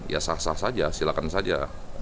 ya sah sah saja silakan saja